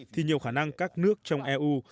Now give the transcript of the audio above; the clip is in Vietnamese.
thì nhiều khả năng các nước trong eu